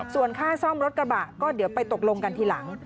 ส่วนค่าซ่อมรถกระบะก็เดี๋ยวไปตกลงกันทีหลัง